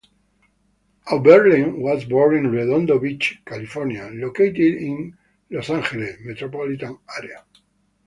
Auberlen was born in Redondo Beach, California, located in the Los Angeles metropolitan area.